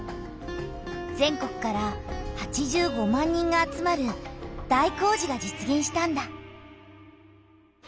全国から８５万人が集まる大工事が実げんしたんだ。